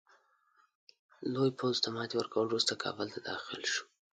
لوی پوځ ته ماتي ورکولو وروسته کابل ته داخل شو.